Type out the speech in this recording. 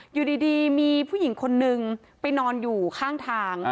อยู่ดีมีผู้หญิงคนนึงไปนอนอยู่ข้างทาง